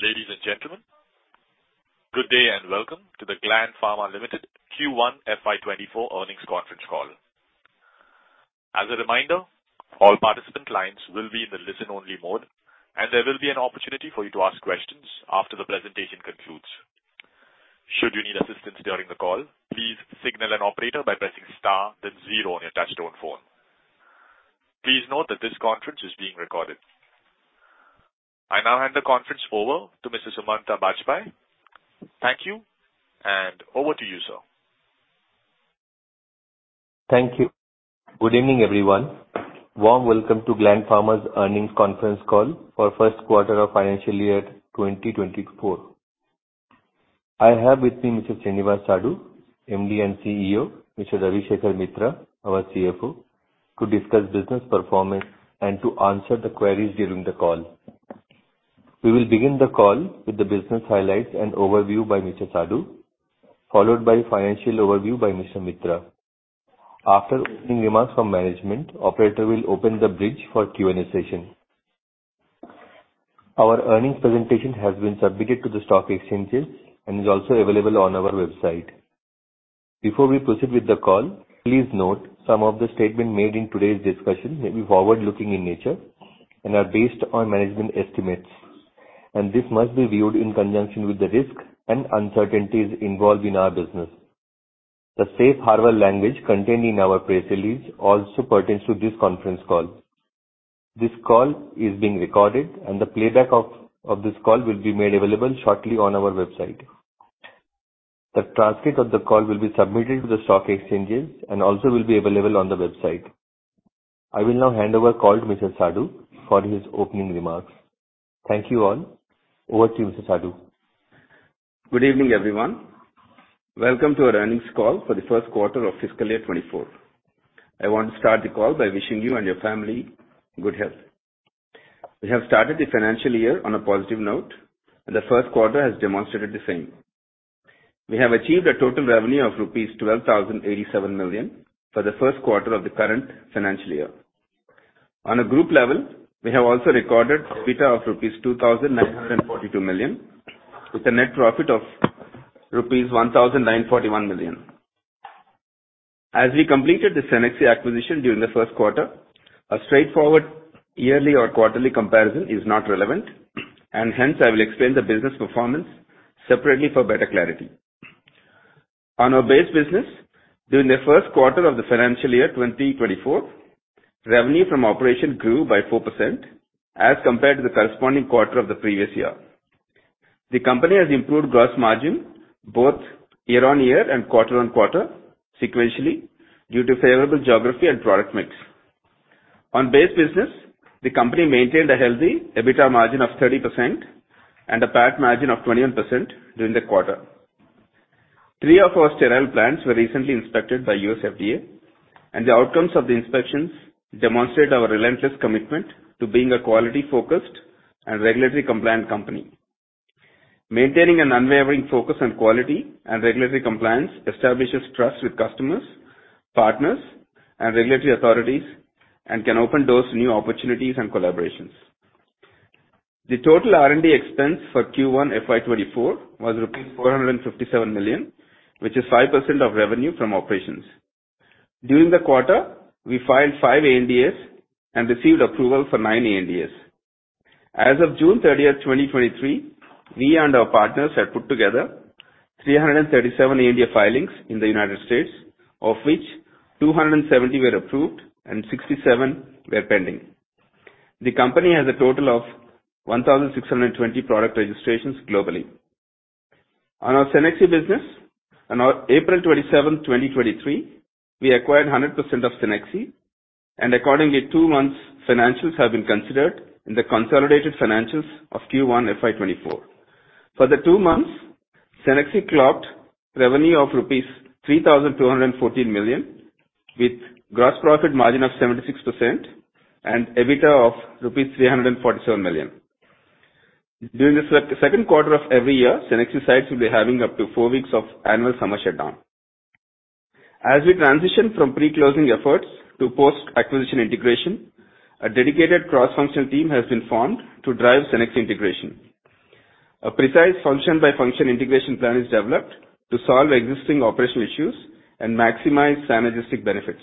Ladies and gentlemen, good day, and welcome to the Gland Pharma Limited Q1 FY 2024 earnings conference call. As a reminder, all participant lines will be in the listen-only mode. There will be an opportunity for you to ask questions after the presentation concludes. Should you need assistance during the call, please signal an operator by pressing star then zero on your touch-tone phone. Please note that this conference is being recorded. I now hand the conference over to Mr. Sumanta Bajpayee. Thank you. Over to you, sir. Thank you. Good evening, everyone. Warm welcome to Gland Pharma's earnings conference call for first quarter of financial year 2024. I have with me Mr. Srinivas Sadu, MD and CEO, Mr. Ravi Mitra, our CFO, to discuss business performance and to answer the queries during the call. We will begin the call with the business highlights and overview by Mr. Sadu, followed by financial overview by Mr. Mitra. After opening remarks from management, operator will open the bridge for Q&A session. Our earnings presentation has been submitted to the stock exchanges and is also available on our website. Before we proceed with the call, please note some of the statement made in today's discussion may be forward-looking in nature and are based on management estimates, this must be viewed in conjunction with the risks and uncertainties involved in our business. The safe harbor language contained in our press release also pertains to this conference call. This call is being recorded, and the playback of this call will be made available shortly on our website. The transcript of the call will be submitted to the stock exchanges and also will be available on the website. I will now hand over call to Mr. Sadu for his opening remarks. Thank you, all. Over to you, Mr. Sadu. Good evening, everyone. Welcome to our earnings call for the first quarter of fiscal year 2024. I want to start the call by wishing you and your family good health. We have started the financial year on a positive note. The first quarter has demonstrated the same. We have achieved a total revenue of rupees 12,087 million for the first quarter of the current financial year. On a group level, we have also recorded EBITDA of rupees 2,942 million, with a net profit of rupees 1,941 million. As we completed the Cenexi acquisition during the first quarter, a straightforward yearly or quarterly comparison is not relevant. Hence, I will explain the business performance separately for better clarity. On our base business, during the first quarter of the financial year 2024, revenue from operation grew by 4% as compared to the corresponding quarter of the previous year. The company has improved gross margin, both year-over-year and quarter-over-quarter, sequentially, due to favorable geography and product mix. On base business, the company maintained a healthy EBITDA margin of 30% and a PAT margin of 21% during the quarter. Three of our sterile plants were recently inspected by USFDA. The outcomes of the inspections demonstrate our relentless commitment to being a quality-focused and regulatory-compliant company. Maintaining an unwavering focus on quality and regulatory compliance establishes trust with customers, partners, and regulatory authorities and can open doors to new opportunities and collaborations. The total R&D expense for Q1 FY 2024 was rupees 457 million, which is 5% of revenue from operations. During the quarter, we filed five ANDAs and received approval for nine ANDAs. As of June 30th, 2023, we and our partners have put together 337 ANDA filings in the United States, of which 270 were approved and 67 were pending. The company has a total of 1,620 product registrations globally. On our Cenexi business, April 27, 2023, we acquired 100% of Cenexi, and accordingly, 2 months financials have been considered in the consolidated financials of Q1 FY 2024. For the two months, Cenexi clocked revenue of rupees 3,214 million, with gross profit margin of 76% and EBITDA of rupees 347 million. During the second quarter of every year, Cenexi sites will be having up to four weeks of annual summer shutdown. As we transition from pre-closing efforts to post-acquisition integration, a dedicated cross-functional team has been formed to drive Cenexi integration. A precise function-by-function integration plan is developed to solve existing operational issues and maximize synergistic benefits.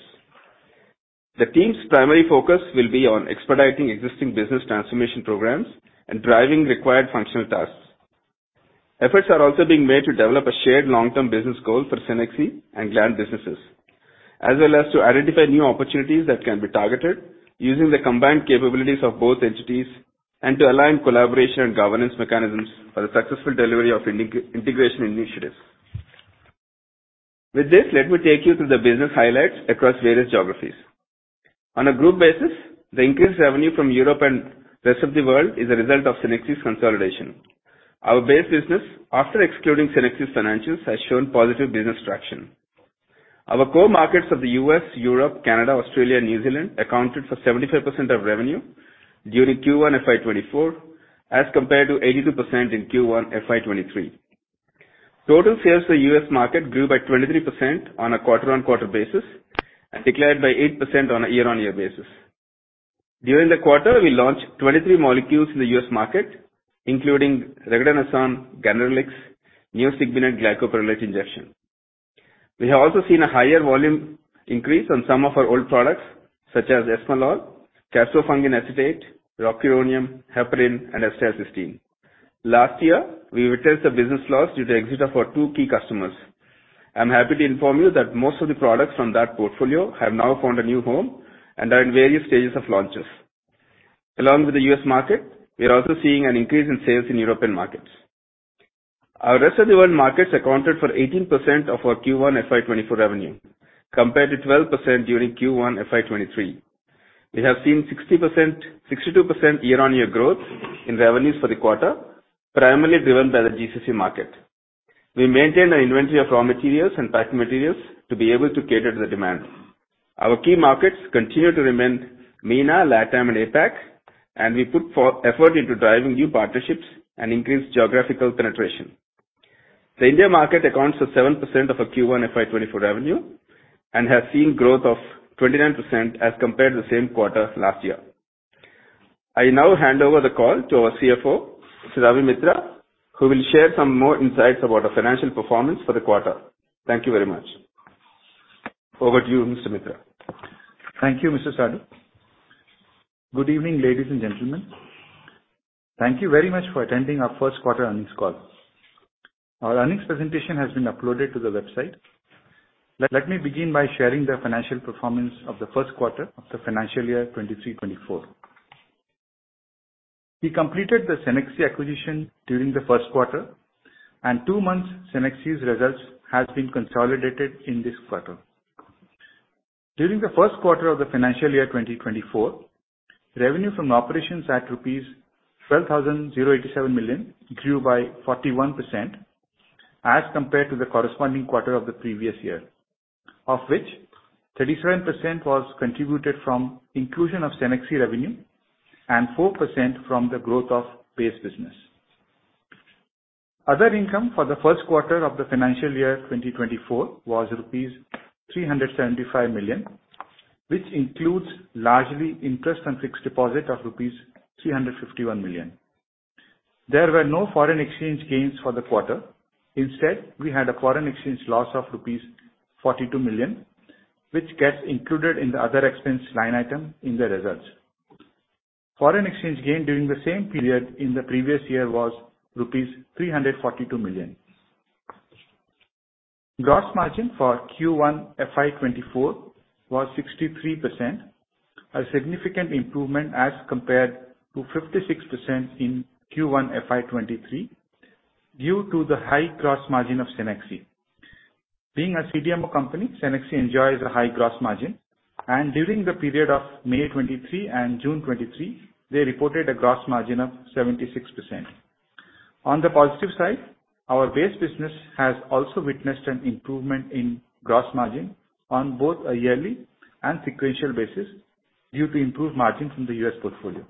The team's primary focus will be on expediting existing business transformation programs and driving required functional tasks. Efforts are also being made to develop a shared long-term business goal for Cenexi and Gland businesses, as well as to identify new opportunities that can be targeted using the combined capabilities of both entities, and to align collaboration and governance mechanisms for the successful delivery of integration initiatives. With this, let me take you through the business highlights across various geographies. On a group basis, the increased revenue from Europe and rest of the world is a result of Cenexi's consolidation. Our base business, after excluding Cenexi's financials, has shown positive business traction. Our core markets of the U.S., Europe, Canada, Australia, and New Zealand accounted for 75% of revenue during Q1 FY 2024, as compared to 82% in Q1 FY 2023. Total sales in the U.S. market grew by 23% on a quarter-on-quarter basis, declared by 8% on a year-on-year basis. During the quarter, we launched 23 molecules in the U.S. market, including regadenoson, ganirelix, neostigmine, and glycopyrrolate injection. We have also seen a higher volume increase on some of our old products, such as esmolol, caspofungin acetate, rocuronium, heparin, and acetylcysteine. Last year, we witnessed a business loss due to exit of our two key customers. I'm happy to inform you that most of the products from that portfolio have now found a new home and are in various stages of launches. Along with the U.S. market, we are also seeing an increase in sales in European markets. Our rest of the world markets accounted for 18% of our Q1 FY 2024 revenue, compared to 12% during Q1 FY 2023. We have seen 62% year-on-year growth in revenues for the quarter, primarily driven by the GCC market. We maintain an inventory of raw materials and packing materials to be able to cater to the demand. Our key markets continue to remain MENA, LATAM, and APAC. We put for effort into driving new partnerships and increase geographical penetration. The India market accounts for 7% of our Q1 FY 2024 revenue and has seen growth of 29% as compared to the same quarter last year. I now hand over the call to our CFO, Mr. Ravi Mitra, who will share some more insights about our financial performance for the quarter. Thank you very much. Over to you, Mr. Mitra. Thank you, Mr. Sadu. Good evening, ladies and gentlemen. Thank you very much for attending our first quarter earnings call. Our earnings presentation has been uploaded to the website. Let me begin by sharing the financial performance of the first quarter of the financial year 2023, 2024. We completed the Cenexi acquisition during the first quarter, two months Cenexi's results has been consolidated in this quarter. During the first quarter of the financial year 2024, revenue from operations at rupees 12,087 million grew by 41% as compared to the corresponding quarter of the previous year, of which 37% was contributed from inclusion of Cenexi revenue and 4% from the growth of base business. Other income for the first quarter of the financial year 2024 was rupees 375 million, which includes largely interest and fixed deposit of rupees 351 million. There were no foreign exchange gains for the quarter. Instead, we had a foreign exchange loss of rupees 42 million, which gets included in the other expense line item in the results. Foreign exchange gain during the same period in the previous year was rupees 342 million. Gross margin for Q1 FY 2024 was 63%, a significant improvement as compared to 56% in Q1 FY 2023, due to the high gross margin of Cenexi. Being a CDMO company, Cenexi enjoys a high gross margin. During the period of May 2023 and June 2023, they reported a gross margin of 76%. On the positive side, our base business has also witnessed an improvement in gross margin on both a yearly and sequential basis due to improved margin from the U.S. portfolio.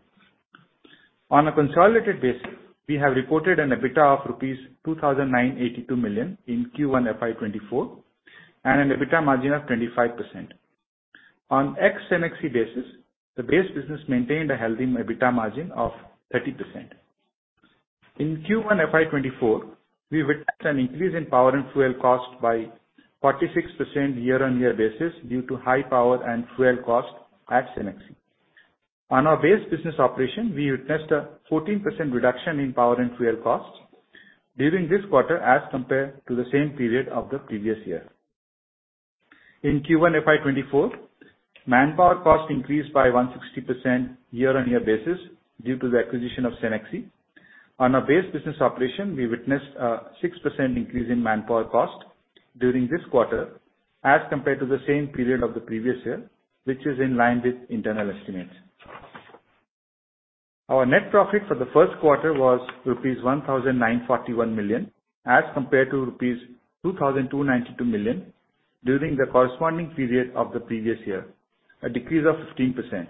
On a consolidated basis, we have reported an EBITDA of rupees 2,982 million in Q1 FY 2024 and an EBITDA margin of 25%. On ex-Cenexi basis, the base business maintained a healthy EBITDA margin of 30%. In Q1 FY 2024, we witnessed an increase in power and fuel cost by 46% year-on-year basis due to high power and fuel cost at Cenexi. On our base business operation, we witnessed a 14% reduction in power and fuel costs during this quarter as compared to the same period of the previous year. In Q1 FY 2024, manpower cost increased by 160% year-on-year basis due to the acquisition of Cenexi. On our base business operation, we witnessed a 6% increase in manpower cost during this quarter as compared to the same period of the previous year, which is in line with internal estimates. Our net profit for the first quarter was rupees 1,941 million, as compared to rupees 2,292 million during the corresponding period of the previous year, a decrease of 15%.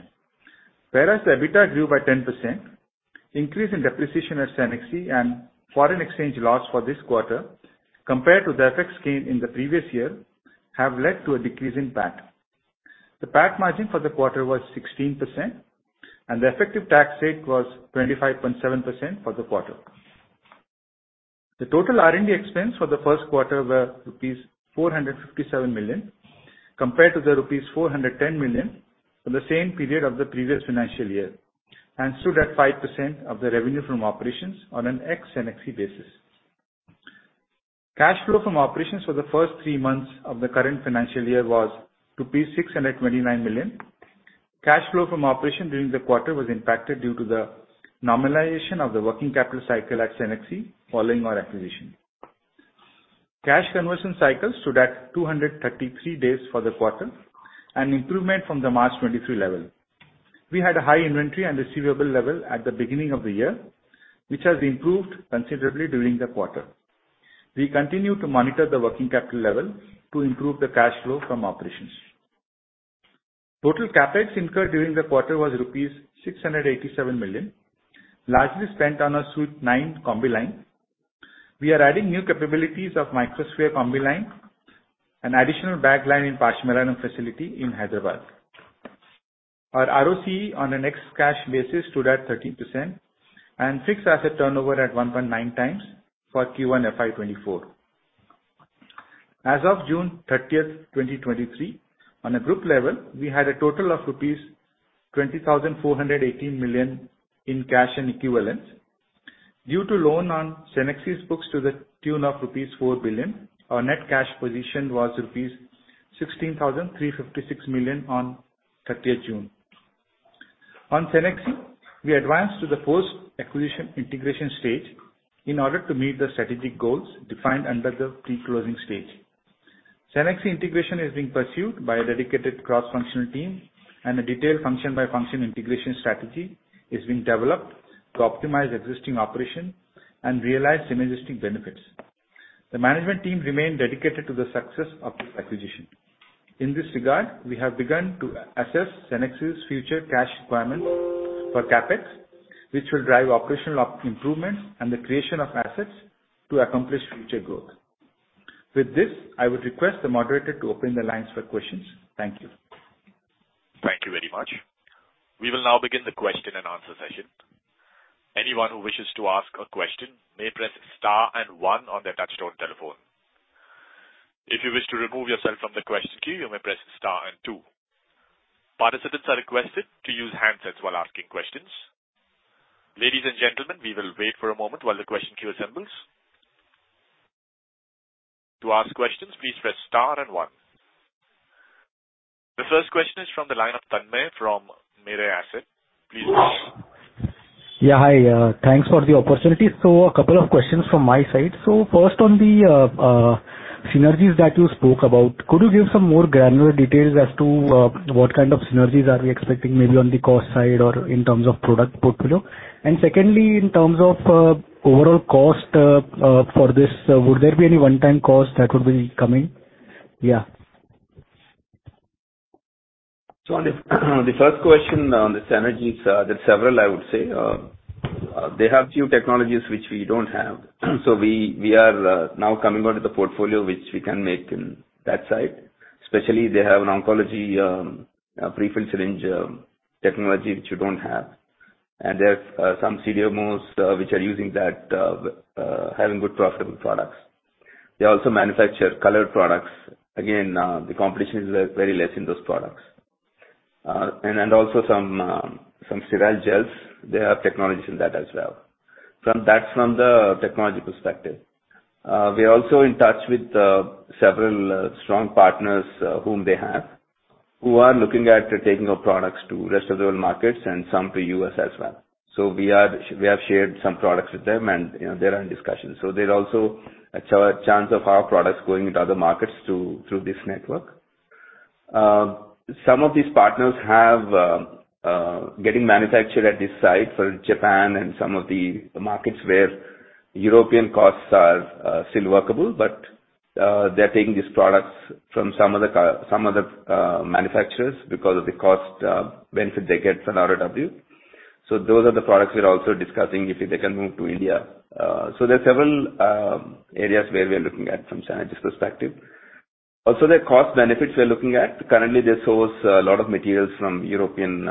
The EBITDA grew by 10%, increase in depreciation at Cenexi and foreign exchange loss for this quarter compared to the FX gain in the previous year, have led to a decrease in PAT. The PAT margin for the quarter was 16%, and the effective tax rate was 25.7% for the quarter. The total R&D expense for the first quarter were rupees 457 million, compared to the rupees 410 million for the same period of the previous financial year, and stood at 5% of the revenue from operations on an ex-Cenexi basis. Cash flow from operations for the first three months of the current financial year was 629 million. Cash flow from operation during the quarter was impacted due to the normalization of the working capital cycle at Cenexi following our acquisition. Cash conversion cycle stood at 233 days for the quarter, an improvement from the March 2023 level. We had a high inventory and receivable level at the beginning of the year, which has improved considerably during the quarter. We continue to monitor the working capital level to improve the cash flow from operations. Total CapEx incurred during the quarter was rupees 687 million, largely spent on our Suite 9 Combi-line. We are adding new capabilities of microsphere Combi-line, an additional bag line in Pashamylaram facility in Hyderabad. Our ROCE on a next cash basis stood at 13% and fixed asset turnover at 1.9x for Q1 FY 2024. As of June 30th, 2023, on a group level, we had a total of rupees 20,418 million in cash and equivalents. Due to loan on Cenexi's books to the tune of rupees 4 billion, our net cash position was rupees 16,356 million on 30th June. On Cenexi, we advanced to the post-acquisition integration stage in order to meet the strategic goals defined under the pre-closing stage. Cenexi integration is being pursued by a dedicated cross-functional team, and a detailed function-by-function integration strategy is being developed to optimize existing operation and realize synergistic benefits. The management team remain dedicated to the success of this acquisition. In this regard, we have begun to assess Cenexi's future cash requirements for CapEx, which will drive operational OpEx improvements and the creation of assets to accomplish future growth. With this, I would request the moderator to open the lines for questions. Thank you. Thank you very much. We will now begin the question and answer session. Anyone who wishes to ask a question may press star and one on their touchtone telephone. If you wish to remove yourself from the question queue, you may press star and two. Participants are requested to use handsets while asking questions. Ladies and gentlemen, we will wait for a moment while the question queue assembles. To ask questions, please press star and one. The first question is from the line of Tanmay from Mirae Asset. Please go ahead. Yeah, hi, thanks for the opportunity. A couple of questions from my side. First, on the synergies that you spoke about, could you give some more granular details as to what kind of synergies are we expecting, maybe on the cost side or in terms of product portfolio? Secondly, in terms of overall cost for this, would there be any one-time cost that would be coming? Yeah. On the first question on the synergies, there are several, I would say. They have few technologies which we don't have, so we, we are now coming onto the portfolio, which we can make in that side. Especially, they have an oncology, a pre-filled syringe technology, which we don't have. There are some CDMOs which are using that having good profitable products. They also manufacture colored products. Again, the competition is very less in those products. And also some sterile gels. They have technologies in that as well. That's from the technology perspective. We are also in touch with several strong partners whom they have, who are looking at taking our products to rest of the world markets and some to U.S. as well. We are, we have shared some products with them, and they're in discussions. There's also a chance of our products going into other markets through, through this network. Some of these partners have getting manufactured at this site for Japan and some of the markets where European costs are still workable, but they're taking these products from some other manufacturers because of the cost benefit they get from RFW. Those are the products we're also discussing, if they can move to India. There are several areas where we are looking at from synergies perspective. Also, the cost benefits we are looking at, currently, they source a lot of materials from European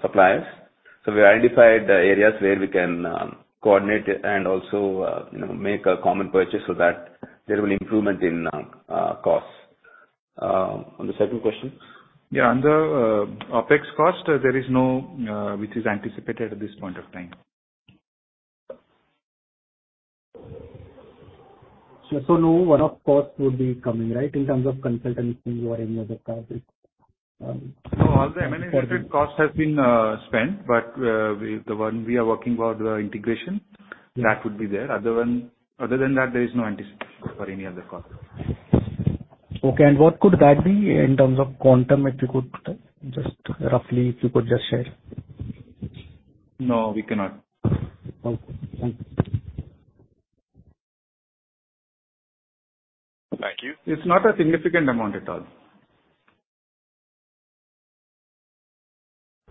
suppliers. We identified the areas where we can coordinate and also, you know, make a common purchase so that there will improvement in costs. On the second question? Yeah, on the OpEx cost, there is no which is anticipated at this point of time. No one-off costs would be coming, right, in terms of consultancy or any other costs? No, all the necessary costs have been spent, but we... The one we are working about the integration- Yeah.... that would be there. Other than that, there is no anticipation for any other cost. Okay, and what could that be in terms of quantum, if you could just roughly, if you could just share? No, we cannot. Okay. Thank you. Thank you. It's not a significant amount at all.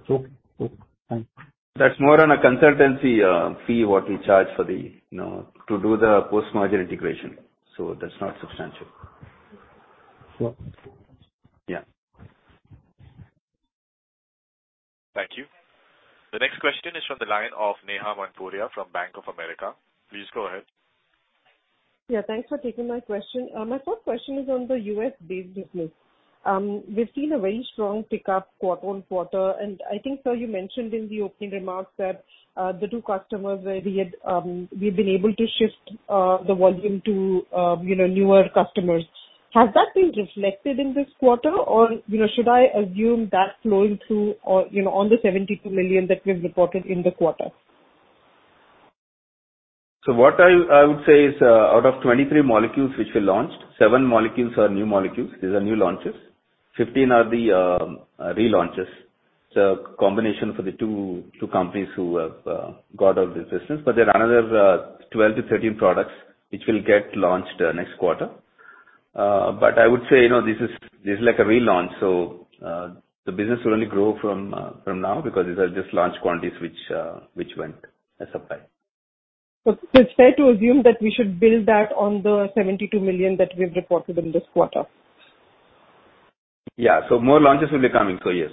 Okay. Okay, thank you. That's more on a consultancy fee, what we charge for the, you know, to do the post-merger integration, so that's not substantial. Cool. Yeah. Thank you. The next question is from the line of Neha Manpuria from Bank of America. Please go ahead. Yeah, thanks for taking my question. My first question is on the U.S.-based business. We've seen a very strong pickup quarter-on-quarter, and I think, sir, you mentioned in the opening remarks that the two customers where we had, we've been able to shift the volume to, you know, newer customers. Has that been reflected in this quarter, or, you know, should I assume that's flowing through or, you know, on the $72 million that we've reported in the quarter? What I, I would say is, out of 23 molecules which we launched, 7 molecules are new molecules, these are new launches. 15 are the relaunches. Combination for the 2, 2 companies who have got out of this business. There are another 12-13 products which will get launched next quarter. I would say, you know, this is, this is like a relaunch, the business will only grow from now, because these are just launch quantities which went as supply. It's fair to assume that we should build that on the 72 million that we've reported in this quarter? Yeah. more launches will be coming, so yes.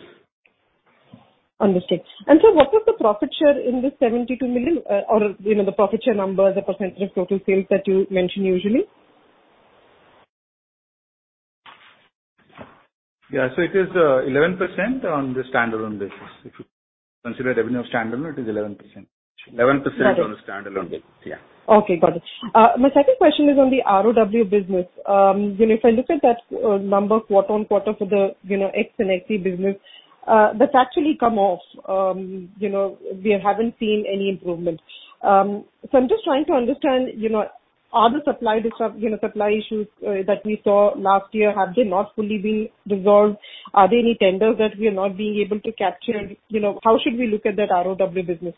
Understood. So what was the profit share in this 72 million, or, you know, the profit share number, the percentage of total sales that you mention usually? Yeah. It is 11% on the standalone basis. If you consider revenue standalone, it is 11%. 11%- Got it. On a standalone basis. Yeah. Okay, got it. My second question is on the ROW business. You know, if I look at that number quarter-on-quarter for the, you know, X and XC business, that's actually come off. You know, we haven't seen any improvement. So I'm just trying to understand, you know, are the supply You know, supply issues that we saw last year, have they not fully been resolved? Are there any tenders that we are not being able to capture? You know, how should we look at that ROW business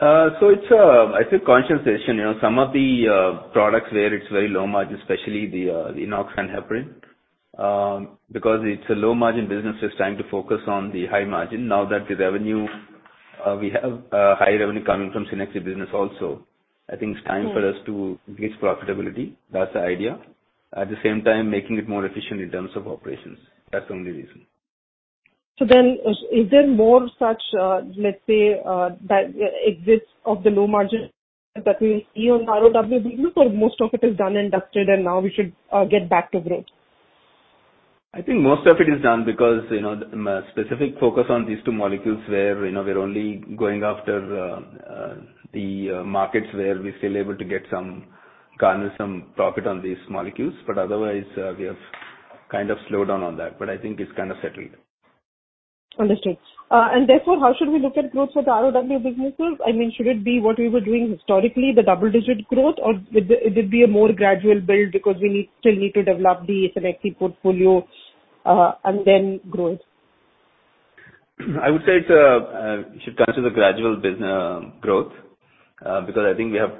mix? It's a, I'd say, consolidation. You know, some of the products where it's very low margin, especially the Enox and heparin. Because it's a low-margin business, so it's time to focus on the high margin. Now that the revenue, we have high revenue coming from Cenexi business also, I think it's time for us- Mm. To reach profitability. That's the idea. At the same time, making it more efficient in terms of operations. That's the only reason. Is there more such, let's say, that exists of the low margin that we see on ROW business, or most of it is done and dusted and now we should get back to growth? I think most of it is done because, you know, specific focus on these two molecules where, you know, we're only going after the markets where we're still able to get some... garner some profit on these molecules. Otherwise, we have kind of slowed down on that, but I think it's kind of settled. Understood. Therefore, how should we look at growth for the ROW businesses? I mean, should it be what we were doing historically, the double-digit growth, or it, it would be a more gradual build because we need, still need to develop the Cenexi portfolio, and then grow it? I would say it's you should consider the gradual growth, because I think we have,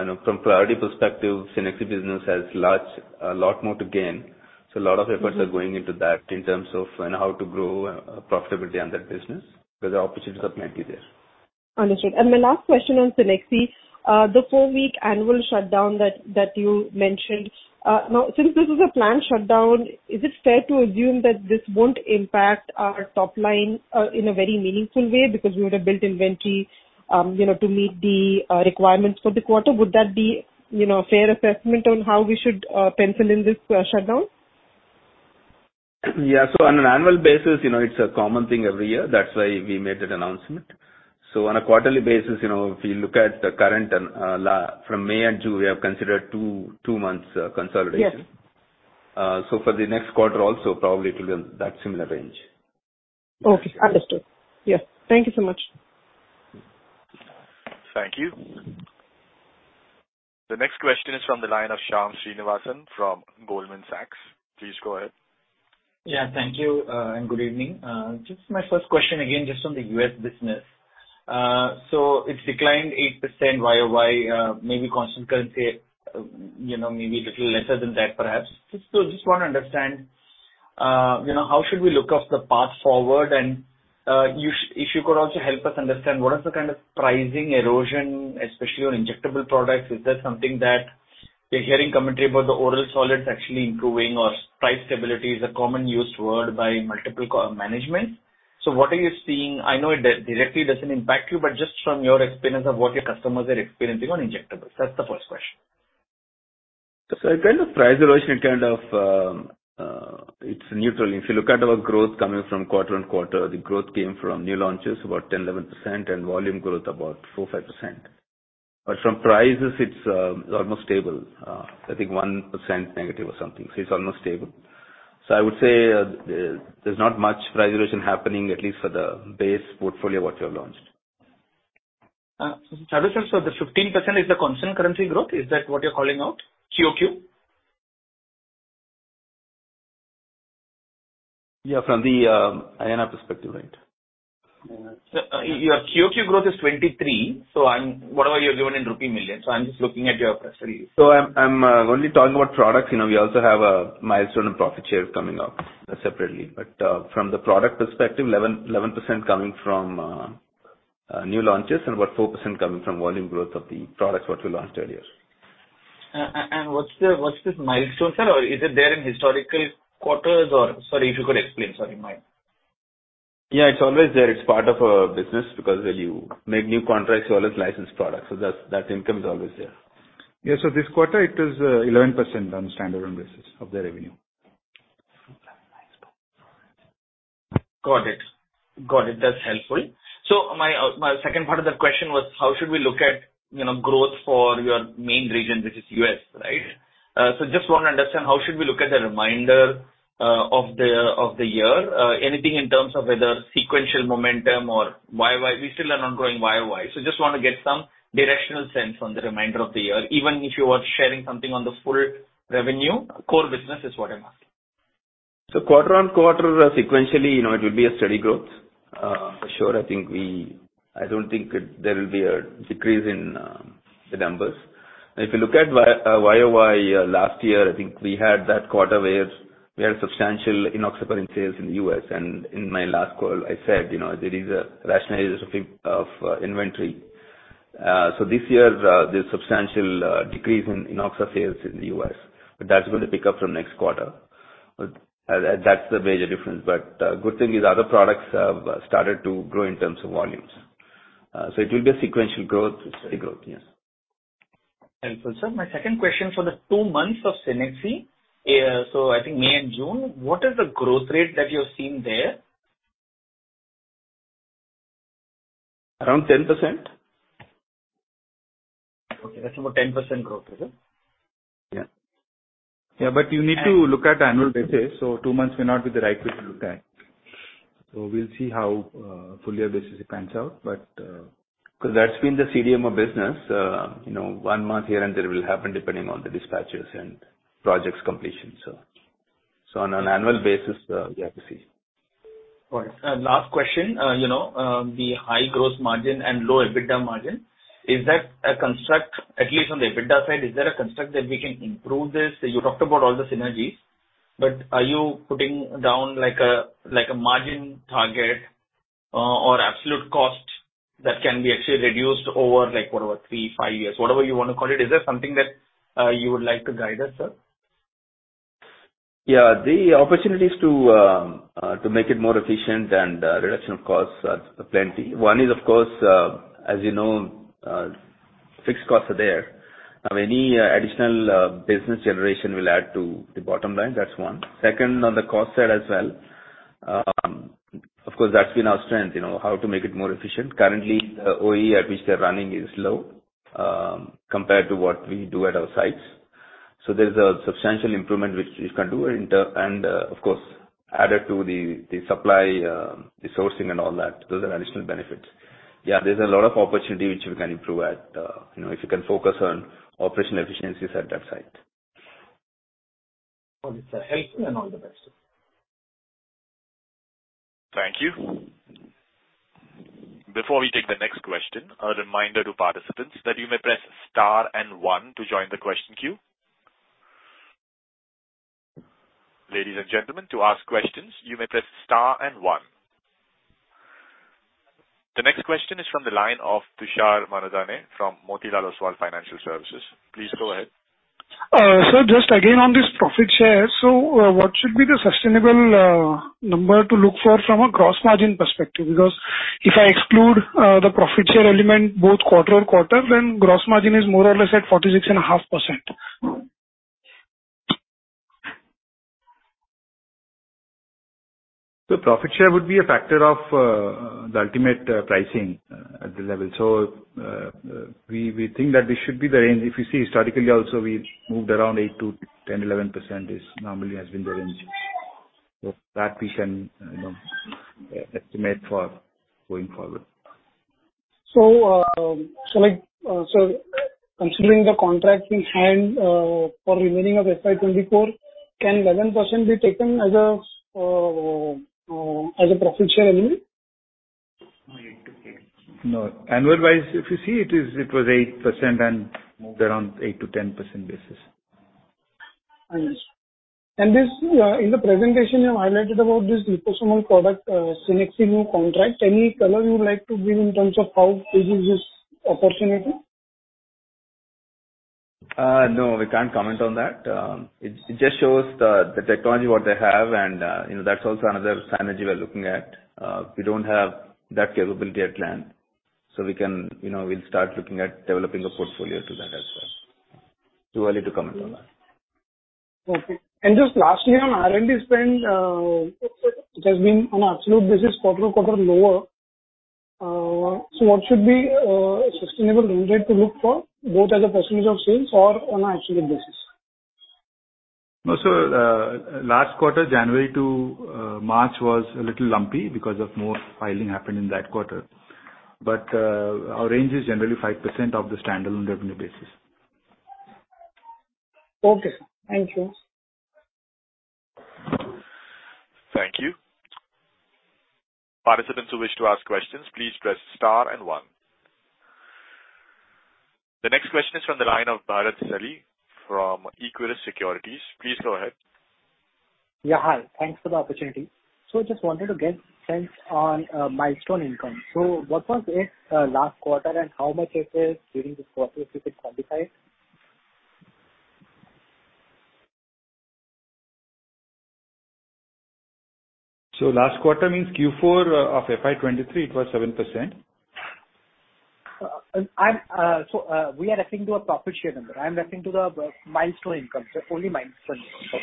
you know, from priority perspective, Cenexi business has large. A lot more to gain. A lot of efforts. Mm. Are going into that in terms of and how to grow profitability on that business, because the opportunities are plenty there. Understood. My last question on Cenexi. The four-week annual shutdown that, that you mentioned, now, since this is a planned shutdown, is it fair to assume that this won't impact our top line in a very meaningful way because we would have built inventory, you know, to meet the requirements for the quarter? Would that be, you know, a fair assessment on how we should pencil in this shutdown? Yeah. On an annual basis, you know, it's a common thing every year. That's why we made that announcement. On a quarterly basis, you know, if you look at the current and From May and June, we have considered 2, 2 months consolidation. Yes. For the next quarter also, probably it will be that similar range. Okay, understood. Yes. Thank you so much. Thank you. The next question is from the line of Shyam Srinivasan from Goldman Sachs. Please go ahead. Yeah, thank you, and good evening. Just my first question again, just on the U.S. business. It's declined 8% YOY, maybe constant currency, you know, maybe little lesser than that, perhaps. Just want to understand, you know, how should we look up the path forward? If you could also help us understand what is the kind of pricing erosion, especially on injectable products. Is that something that we're hearing commentary about the oral solids actually improving or price stability is a common used word by multiple co-management. What are you seeing? I know it directly doesn't impact you, but just from your experience of what your customers are experiencing on injectables. That's the first question. It kind of price erosion in kind of, it's neutral. If you look at our growth coming from quarter-on-quarter, the growth came from new launches, about 10%-11%, and volume growth, about 4%-5%. From prices, it's almost stable, I think 1%- or something, it's almost stable. I would say, there's not much price erosion happening, at least for the base portfolio, what we have launched. Chadha sir, the 15% is the constant currency growth, is that what you're calling out, QOQ? Yeah, from the INR perspective, right. Your QOQ growth is 23, so I'm... Whatever you have given in rupee millions, so I'm just looking at your press release. I'm, I'm only talking about products. You know, we also have a milestone and profit share coming up separately. From the product perspective, 11, 11% coming from new launches and about 4% coming from volume growth of the products what we launched earlier. What's the, what's this milestone, sir, or is it there in historical quarters? Sorry, if you could explain. Sorry. Yeah, it's always there. It's part of our business because when you make new contracts, you always license products, so that, that income is always there. Yeah, this quarter it is 11% on the standalone basis of the revenue. Got it. Got it. That's helpful. My second part of the question was: How should we look at, you know, growth for your main region, which is U.S., right? Just want to understand, how should we look at the remainder of the year? Anything in terms of whether sequential momentum or year-over-year. We still are ongoing year-over-year, just want to get some directional sense on the remainder of the year. Even if you are sharing something on the full revenue, core business is what I'm asking. quarter-on-quarter, sequentially, you know, it will be a steady growth. For sure, I don't think there will be a decrease in the numbers. If you look at YOY last year, I think we had that quarter where we had substantial Enoxaparin sales in the U.S., and in my last call I said, you know, there is a rationalization of, of inventory. This year, there's substantial decrease in Enoxaparin sales in the U.S., but that's going to pick up from next quarter. That's the major difference. Good thing is other products have started to grow in terms of volumes. It will be a sequential growth. Steady growth, yes. Thank you, sir. My second question: for the 2 months of Cenexi, so I think May and June, what is the growth rate that you're seeing there? Around 10%. Okay, that's about 10% growth, sir? Yeah. Yeah, you need to look at annual basis, so 2 months may not be the right way to look at. We'll see how full year basis it pans out. Because that's been the CDMO of business, you know, 1 month here and there will happen depending on the dispatches and projects completion. On an annual basis, we have to see. All right. Last question. You know, the high gross margin and low EBITDA margin, is that a construct, at least on the EBITDA side, is there a construct that we can improve this? You talked about all the synergies, but are you putting down like a, like a margin target, or absolute cost that can be actually reduced over, like, what, about 3, 5 years, whatever you want to call it? Is there something that you would like to guide us, sir? Yeah. The opportunity is to to make it more efficient and reduction of costs are plenty. One is, of course, as you know, fixed costs are there. Any additional business generation will add to the bottom line. That's one. Second, on the cost side as well, of course, that's been our strength, you know, how to make it more efficient. Currently, the OE at which they're running is low, compared to what we do at our sites. There's a substantial improvement which we can do in the... Of course, added to the, the supply, the sourcing and all that, those are additional benefits. Yeah, there's a lot of opportunity which we can improve at, you know, if you can focus on operational efficiencies at that site. Got it, sir. Thank you, and all the best. Thank you. Before we take the next question, a reminder to participants that you may press star and 1 to join the question queue. Ladies and gentlemen, to ask questions, you may press star and 1. The next question is from the line of Tushar Manudhane from Motilal Oswal Financial Services. Please go ahead. Sir, just again on this profit share. What should be the sustainable number to look for from a gross margin perspective? If I exclude the profit share element, both quarter-on-quarter, then gross margin is more or less at 46.5%. The profit share would be a factor of the ultimate pricing at the level. We think that this should be the range. If you see historically also, we moved around 8%-10%, 11%, is normally has been the range. That we can, you know, estimate for going forward. So like, sir, considering the contracts in hand, for remaining of FY 2024, can 11% be taken as a profit share element? No. Annual wise, if you see, it is, it was 8% and moved around 8%-10% basis. Understood. This, in the presentation you have highlighted about this repositional product, Cenexi new contract. Any color you would like to give in terms of how big is this opportunity? No, we can't comment on that. It, it just shows the, the technology, what they have, and, you know, that's also another synergy we are looking at. We don't have that capability at Gland, we can, you know, we'll start looking at developing a portfolio to that as well. Too early to comment on that. Okay. Just lastly, on R&D spend, which has been on absolute basis, quarter-on-quarter lower, so what should be a sustainable range rate to look for, both as a percent of sales or on an absolute basis? No, sir, last quarter, January to March, was a little lumpy because of more filing happened in that quarter. Our range is generally 5% of the standalone revenue basis. Okay, sir. Thank you. Thank you. Participants who wish to ask questions, please press star and one. The next question is from the line of Bharat Celly from Equirus Securities. Please go ahead. Yeah, hi. Thanks for the opportunity. Just wanted to get sense on milestone income. What was it last quarter, and how much it is during this quarter, if you could quantify it? Last quarter means Q4 of FY 2023, it was 7%. We are referring to a profit share number. I'm referring to the milestone income, sir. Only milestone income.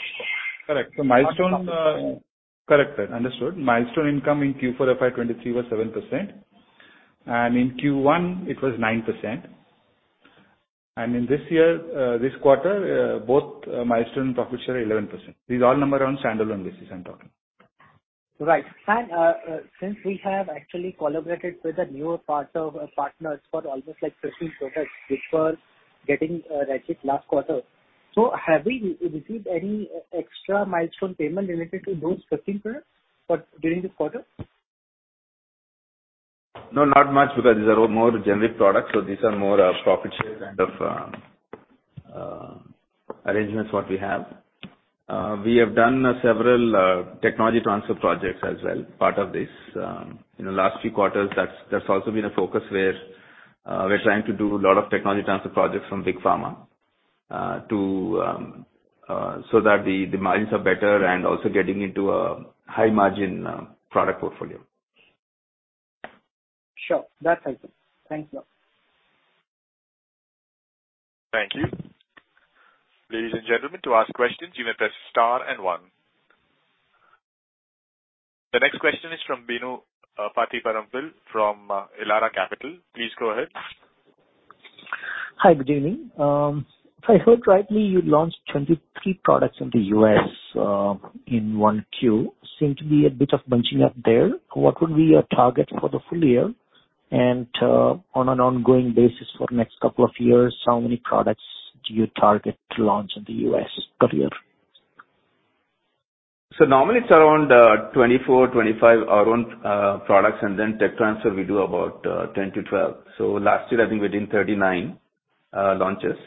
Correct. Milestone. Correct, sir. Understood. Milestone income in Q4 FY 2023 was 7%, and in Q1 it was 9%. This year, this quarter, both, milestone and profit share are 11%. These are all number on standalone basis I'm talking. Right. Since we have actually collaborated with the newer partner, partners for almost like 15 products, which were getting registered last quarter, so have we received any extra milestone payment related to those 15 products for during this quarter? No, not much, because these are all more generic products, so these are more, profit share kind of, arrangements, what we have. We have done several, technology transfer projects as well, part of this. In the last few quarters, that's, that's also been a focus where, we're trying to do a lot of technology transfer projects from Big Pharma, to, so that the, the margins are better and also getting into a high-margin, product portfolio. Sure. That's helpful. Thanks a lot. Thank you. Ladies and gentlemen, to ask questions, you may press star and one. The next question is from Bino Pathiparampil, from Elara Capital. Please go ahead. Hi, good evening. If I heard rightly, you launched 23 products in the U.S. in 1Q. Seemed to be a bit of bunching up there. What would be your target for the full year? On an ongoing basis for the next couple of years, how many products do you target to launch in the U.S. per year? Normally it's around 24, 25 our own products, and then tech transfer, we do about 10 to 12. Last year, I think we did 39 launches.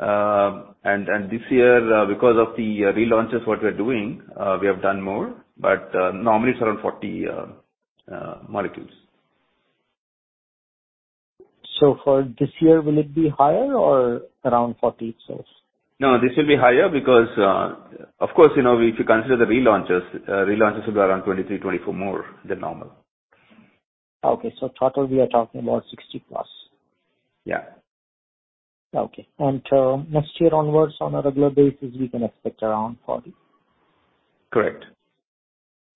This year, because of the relaunches, what we're doing, we have done more, but normally it's around 40 molecules. For this year, will it be higher or around 40 itself? No, this will be higher because, of course, you know, if you consider the relaunches, relaunches will be around 2023, 2024, more than normal. Okay. total, we are talking about 60+. Yeah. Okay. Next year onwards, on a regular basis, we can expect around 40. Correct.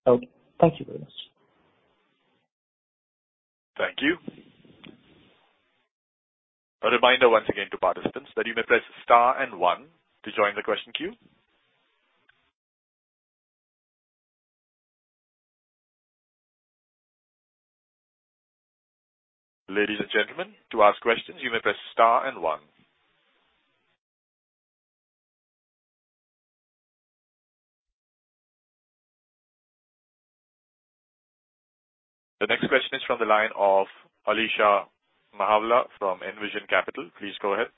Okay. Thank you very much. Thank you. A reminder once again to participants, that you may press star and one to join the question queue. Ladies and gentlemen, to ask questions, you may press star and one. The next question is from the line of Alisha Mahawla from Envision Capital. Please go ahead.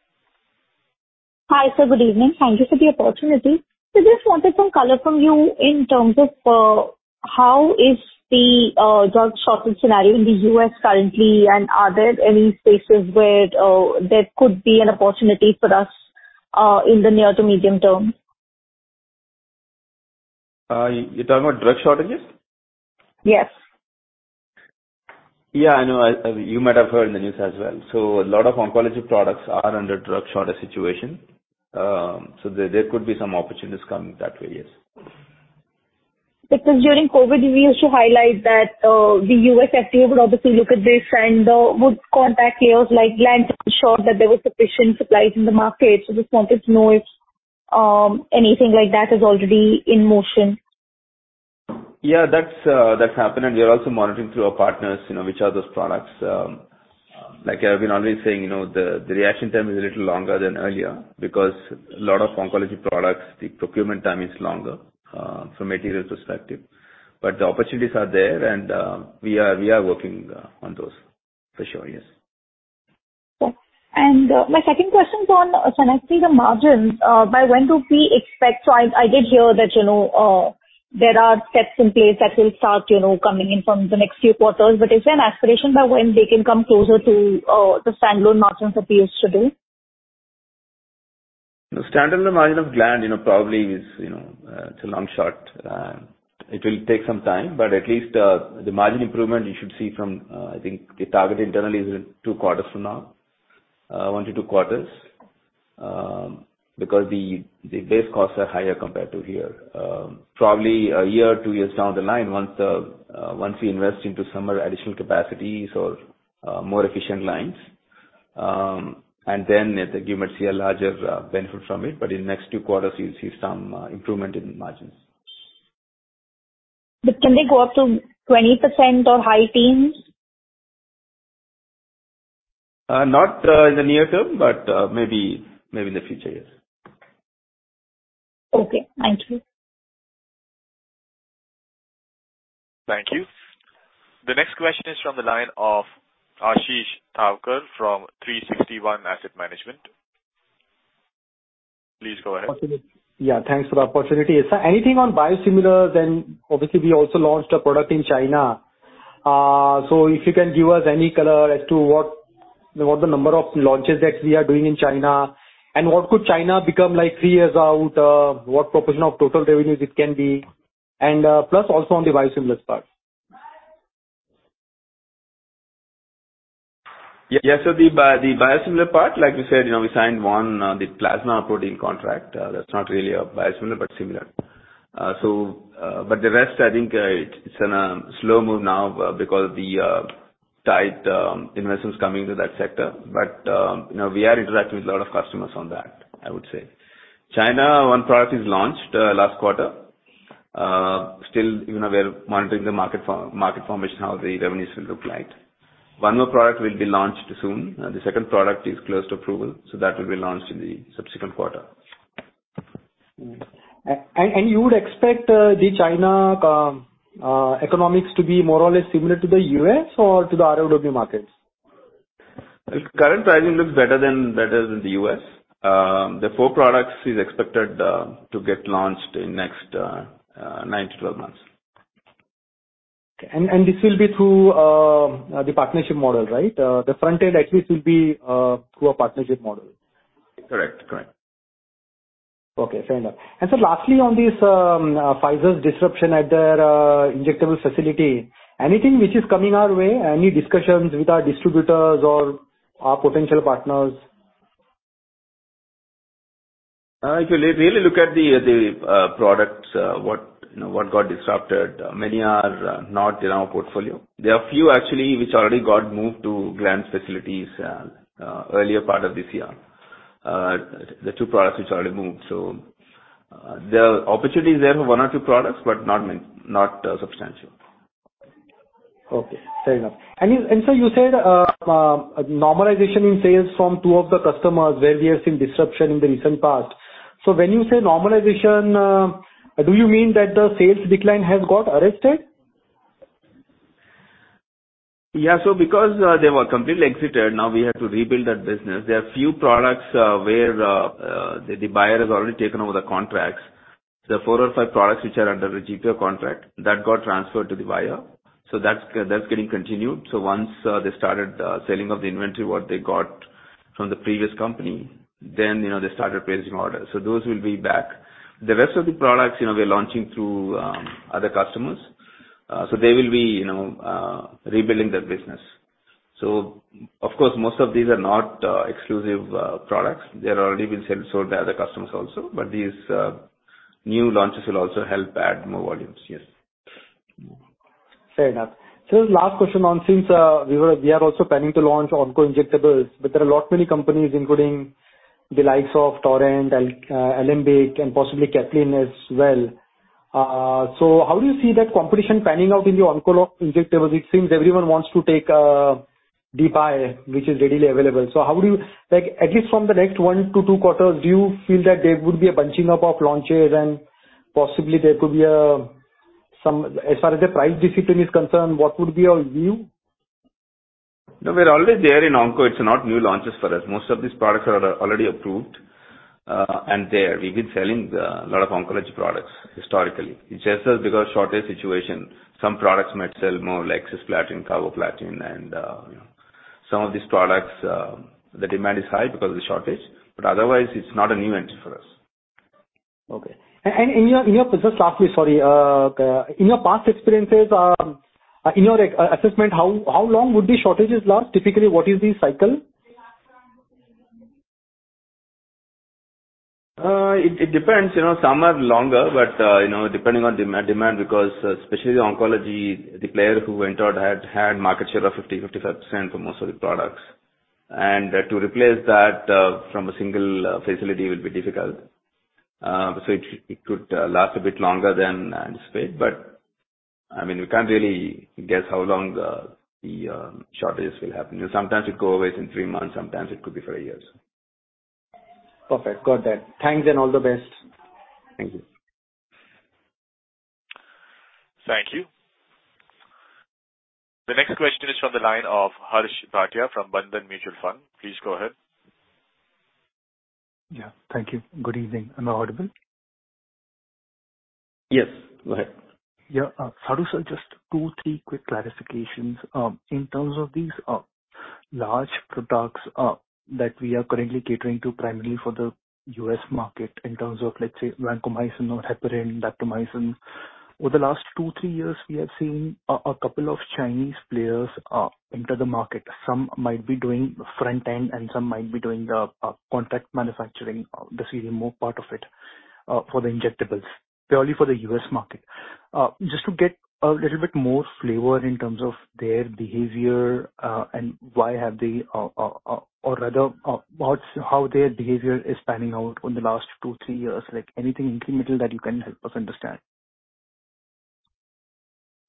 Hi, sir. Good evening. Thank you for the opportunity. Just wanted some color from you in terms of how is the drug shortage scenario in the U.S. currently, and are there any spaces where there could be an opportunity for us in the near to medium term? You're talking about drug shortages? Yes. Yeah, I know. You might have heard in the news as well. A lot of oncology products are under drug shortage situation. There, there could be some opportunities coming that way, yes. During COVID, we used to highlight that the USFDA would obviously look at this and would contact us, like, ensure that there was sufficient supplies in the market. Just wanted to know if anything like that is already in motion? Yeah, that's, that's happened. We are also monitoring through our partners, you know, which are those products. Like I've been already saying, you know, the, the reaction time is a little longer than earlier because a lot of oncology products, the procurement time is longer from material perspective. The opportunities are there and we are, we are working on those for sure, yes. Cool. My second question is on, Cenexi margins? By when do we expect... So I, I did hear that, you know, there are steps in place that will start, you know, coming in from the next few quarters, but is there an aspiration by when they can come closer to the standalone margins of yesterday? The standalone margin of Gland, you know, probably is, you know, it's a long shot. It will take some time, but at least, the margin improvement you should see from, I think the target internally is in 2 quarters from now, 1-2 quarters. Because the, the base costs are higher compared to here. Probably a year, 2 years down the line, once, once we invest into some more additional capacities or, more efficient lines, and then I think you might see a larger, benefit from it, but in the next 2 quarters you'll see some, improvement in the margins. Can they go up to 20% or high teens? Not in the near term, but maybe, maybe in the future, yes. Okay. Thank you. Thank you. The next question is from the line of Ashish Thakkar from 361 Asset Management. Please go ahead. Yeah, thanks for the opportunity. Sir, anything on biosimilars? Obviously, we also launched a product in China. If you can give us any color as to what, what the number of launches that we are doing in China, and what could China become like 3 years out, what proportion of total revenues it can be, and plus also on the biosimilars part? Yeah, the biosimilar part, like you said, you know, we signed one, the plasma protein contract. That's not really a biosimilar, similar. The rest, I think, it's in a slow move now because of the tight investments coming into that sector. You know, we are interacting with a lot of customers on that, I would say. China, one product is launched last quarter. Still, you know, we're monitoring the market formation, how the revenues will look like. One more product will be launched soon. The second product is close to approval, that will be launched in the subsequent quarter. You would expect the China economics to be more or less similar to the U.S. or to the ROW markets? Current pricing looks better than, better than the U.S. The four products is expected to get launched in next nine to 12 months. This will be through the partnership model, right? The front end at least will be through a partnership model. Correct, correct. Okay, fair enough. Lastly, on this, Pfizer's disruption at their injectable facility, anything which is coming our way? Any discussions with our distributors or our potential partners? If you really look at the, the products, what, you know, what got disrupted, many are not in our portfolio. There are a few actually, which already got moved to Gland's facilities, earlier part of this year. The two products which already moved. There are opportunities there for one or two products, but not many, not substantial. Okay, fair enough. You said, normalization in sales from two of the customers, where we have seen disruption in the recent past. When you say normalization, do you mean that the sales decline has got arrested? Yeah. Because they were completely exited, now we have to rebuild that business. There are few products where the buyer has already taken over the contracts. There are four or five products which are under the GPO contract that got transferred to the buyer. That's, that's getting continued. Once they started selling of the inventory, what they got from the previous company, then, you know, they started placing orders. Those will be back. The rest of the products, you know, we are launching through other customers. They will be, you know, rebuilding their business. Of course, most of these are not exclusive products. They're already been sold by other customers also. These new launches will also help add more volumes. Yes. Fair enough. The last question on, since we are also planning to launch onco injectables, but there are not many companies, including the likes of Torrent, Alembic, and possibly Catalent as well. How do you see that competition panning out in the onco injectables? It seems everyone wants to take deep dive, which is readily available. How would you... Like, at least from the next 1-2 quarters, do you feel that there would be a bunching up of launches and possibly there could be some... As far as the price discipline is concerned, what would be your view? No, we're already there in onco. It's not new launches for us. Most of these products are already approved and there. We've been selling a lot of oncology products historically. It's just that because shortage situation, some products might sell more, like cisplatin, carboplatin, and, you know. Some of these products, the demand is high because of the shortage, but otherwise it's not a new entry for us. Okay. Just lastly, sorry. In your past experiences, in your assessment, how, how long would these shortages last? Typically, what is the cycle? It, it depends. You know, some are longer, but, you know, depending on demand, demand, because especially oncology, the player who went out had, had market share of 50%-55% for most of the products. To replace that, from a single facility will be difficult. So it, it could last a bit longer than anticipated. I mean, we can't really guess how long the, the shortages will happen. Sometimes it go away in 3 months, sometimes it could be 4 years. Perfect. Got that. Thanks and all the best. Thank you. Thank you. The next question is from the line of Harsh Bhatia from Bandhan Mutual Fund. Please go ahead. Yeah. Thank you. Good evening. Am I audible? Yes, go ahead. 3 quick clarifications. In terms of these large products that we are currently catering to, primarily for the U.S. market, in terms of, let's say, vancomycin or heparin, doxycycline. Over the last 2, 3 years, we have seen a couple of Chinese players enter the market. Some might be doing front end and some might be doing contract manufacturing, the CDMO part of it, for the injectables, purely for the U.S. market. Just to get a little bit more flavor in terms of their behavior, and why have they... Or rather, how their behavior is panning out on the last 2, 3 years? Like, anything incremental that you can help us understand.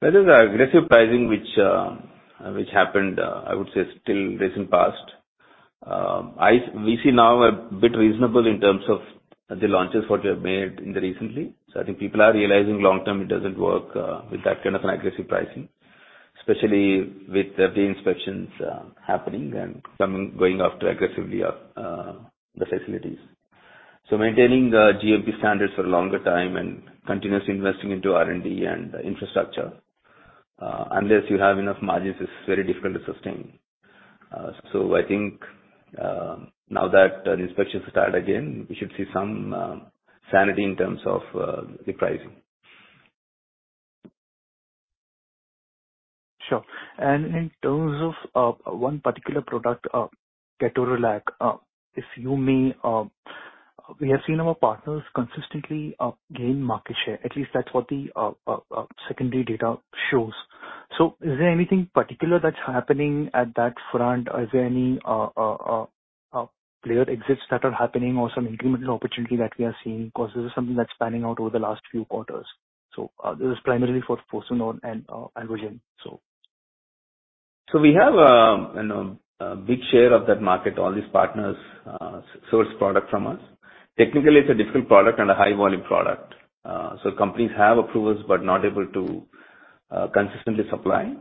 There is aggressive pricing which, which happened, I would say still recent past. I, we see now a bit reasonable in terms of the launches what we have made in the recently. I think people are realizing long-term, it doesn't work, with that kind of an aggressive pricing, especially with the inspections, happening and coming, going after aggressively, the facilities. Maintaining the GMP standards for a longer time and continuously investing into R&D and infrastructure, unless you have enough margins, it's very difficult to sustain. I think, now that the inspections start again, we should see some sanity in terms of the pricing. Sure. In terms of one particular product, ketorolac, if you may, we have seen our partners consistently gain market share. At least that's what the secondary data shows. Is there anything particular that's happening at that front? Is there any player exits that are happening or some incremental opportunity that we are seeing? Because this is something that's panning out over the last few quarters. This is primarily for Fostimon and Angiogen. We have, you know, a big share of that market. All these partners source product from us. Technically, it's a different product and a high-volume product. Companies have approvals but not able to consistently supply.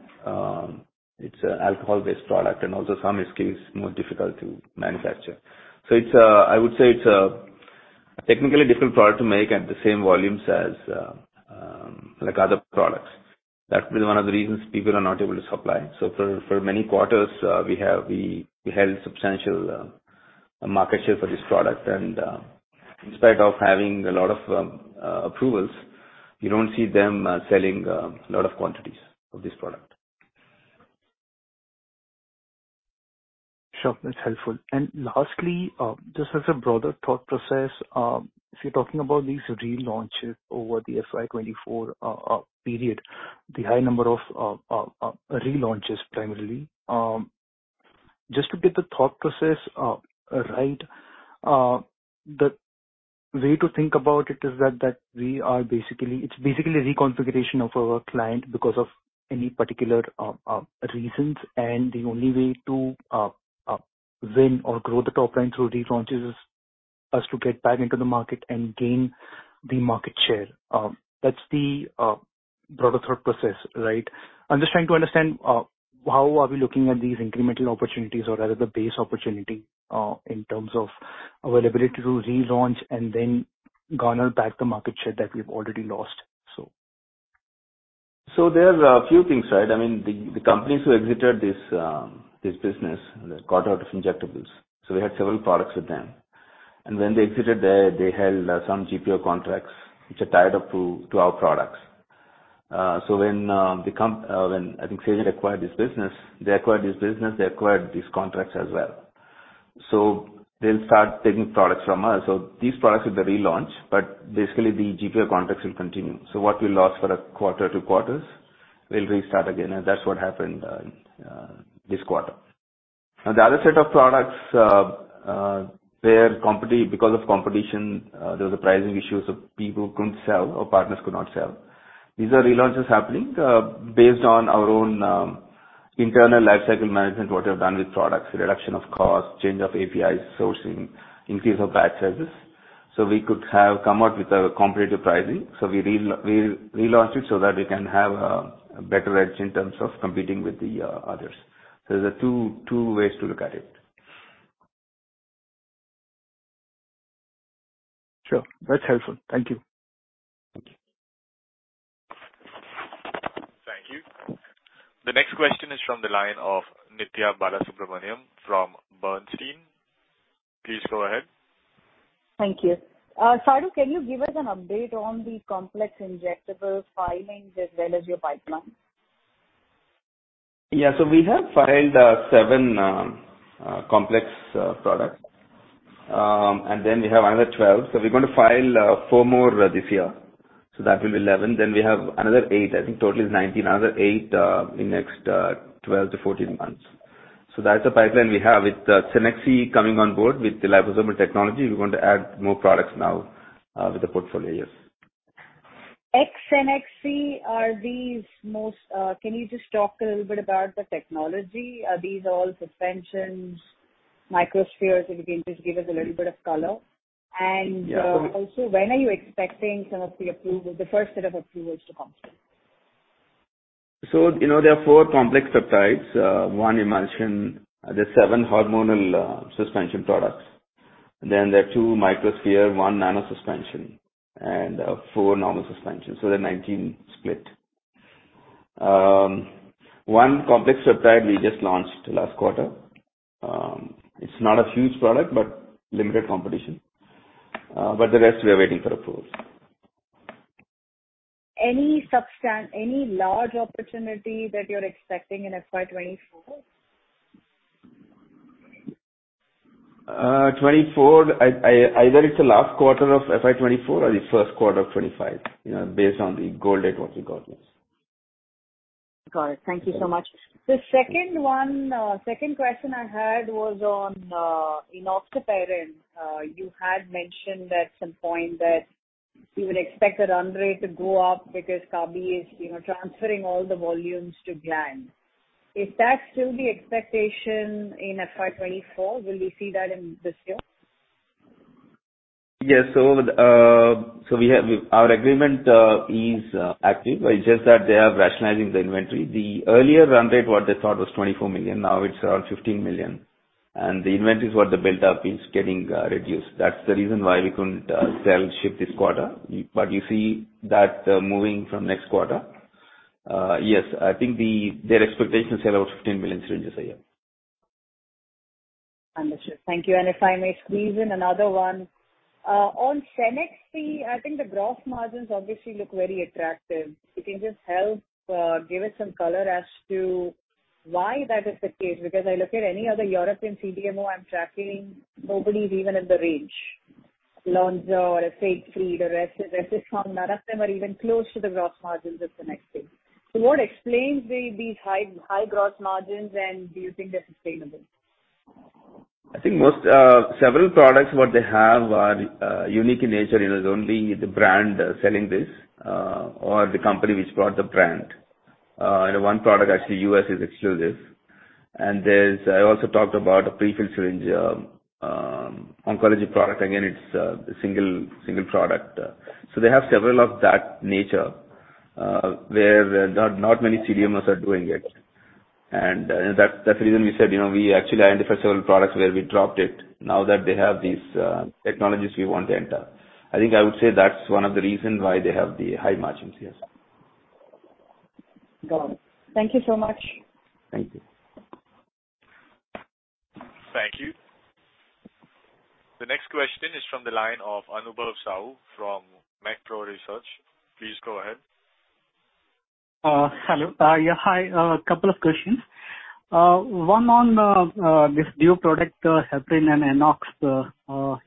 It's an alcohol-based product and also some risk is more difficult to manufacture. I would say it's a technically difficult product to make at the same volumes as, like, other products. That is one of the reasons people are not able to supply. For many quarters, we have, we, we held substantial market share for this product, and in spite of having a lot of approvals, you don't see them selling a lot of quantities of this product. Sure. That's helpful. Lastly, just as a broader thought process, if you're talking about these relaunches over the FY 2024 period, the high number of relaunches, primarily. Just to get the thought process right, the way to think about it is that we are basically... It's basically reconfiguration of our client because of any particular reasons, and the only way to win or grow the top line through relaunches is us to get back into the market and gain the market share. That's the broader thought process, right? I'm just trying to understand how are we looking at these incremental opportunities or rather, the base opportunity, in terms of our ability to relaunch and then garner back the market share that we've already lost. There are a few things, right? I mean, the, the companies who exited this business got out of injectables, so we had several products with them. When they exited there, they held some GPO contracts which are tied up to, to our products. When, I think, Seagen acquired this business, they acquired this business, they acquired these contracts as well. They'll start taking products from us. These products are the relaunch, but basically, the GPO contracts will continue. What we lost for a quarter, two quarters, we'll restart again, and that's what happened this quarter. Now, the other set of products where Because of competition, there was a pricing issue, so people couldn't sell or partners could not sell. These are relaunches happening, based on our own, internal life cycle management, what we have done with products, reduction of cost, change of APIs, sourcing, increase of batch sizes. We could have come out with a competitive pricing. We re-re-relaunched it so that we can have a, a better edge in terms of competing with the, others. There are two, two ways to look at it. Sure. That's helpful. Thank you. Thank you. Thank you. The next question is from the line of Nithya Balasubramanian from Bernstein. Please go ahead. Thank you. Sadu, can you give us an update on the complex injectable filings as well as your pipeline? Yeah. We have filed 7 complex products. Then we have another 12. We're going to file 4 more this year, so that will be 11. We have another 8. I think total is 19. Another 8 in the next 12-14 months. That's the pipeline we have. With Cenexi coming on board with the liposomal technology, we want to add more products now with the portfolio. Yes. Cenexi, are these most. Can you just talk a little bit about the technology? Are these all suspensions, microspheres? If you can just give us a little bit of color. Yeah. Also, when are you expecting some of the approvals, the first set of approvals to come through? You know, there are 4 complex peptides, one emulsion. There are 7 hormonal, suspension products. There are 2 microsphere, 1 nanosuspension, and 4 normal suspensions, so they're 19 split. 1 complex peptide we just launched last quarter. It's not a huge product, but limited competition. The rest, we are waiting for approvals. Any large opportunity that you're expecting in FY 2024? 2024, Either it's the last quarter of FY 2024 or the first quarter of 2025, you know, based on the go date what we got this. Got it. Thank you so much. Yeah. The second one, second question I had was on enoxaparin. You had mentioned at some point that you would expect the run rate to go up because Kabi is, you know, transferring all the volumes to Gland. Is that still the expectation in FY 2024? Will we see that in this year? Yes. Our agreement is active. It's just that they are rationalizing the inventory. The earlier run rate, what they thought was 24 million, now it's around 15 million, and the inventory for the built-up is getting reduced. That's the reason why we couldn't sell, ship this quarter. You see that moving from next quarter. Yes, I think their expectations sell out 15 million syringes a year. Understood. Thank you. If I may squeeze in another one. On Cenexi, I think the gross margins obviously look very attractive. If you can just help give us some color as to. Why that is the case? Because I look at any other European CDMO I'm tracking, nobody's even in the range. Lonza none of them are even close to the gross margins of the Cenexi. What explains the these high, high gross margins, and do you think they're sustainable? I think most, several products, what they have are unique in nature. It is only the brand selling this or the company which bought the brand. One product, actually, U.S. is exclusive. I also talked about a pre-filled syringe oncology product. Again, it's a, a single, single product. They have several of that nature where there not, not many CDMOs are doing it. That's, that's the reason we said, you know, we actually identified several products where we dropped it. Now that they have these technologies, we want to enter. I think I would say that's one of the reasons why they have the high margins, yes. Got it. Thank you so much. Thank you. Thank you. The next question is from the line of Anubhav Sahu from Moneycontrol Research. Please go ahead. Hello. A couple of questions. One on this new product, heparin and enoxaparin.